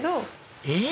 えっ？